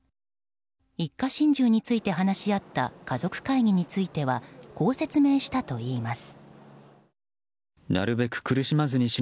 一家心中について話し合った家族会議についてはこう説明したといいます。